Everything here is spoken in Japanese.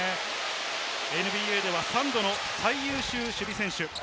ＮＢＡでは３度の最優秀守備選手。